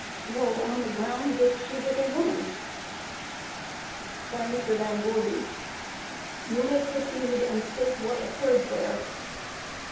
Well, on the ground that she was a woman. By MR. VAN VOORHIS: Q. You may proceed and state what occurred there?